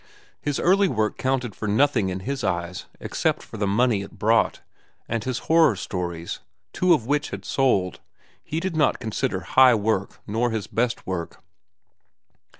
His early work counted for nothing in his eyes except for the money it brought, and his horror stories, two of which he had sold, he did not consider high work nor his best work.